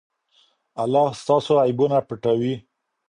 الله ستاسو عیبونه پټوي.